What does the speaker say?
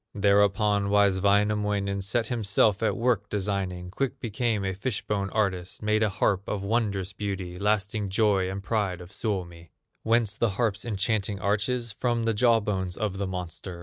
Thereupon wise Wainamoinen Set himself at work designing; Quick became a fish bone artist, Made a harp of wondrous beauty, Lasting joy and pride of Suomi. Whence the harp's enchanting arches? From the jaw bones of the monster.